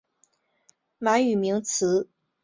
满语名词分成单数和众数两种。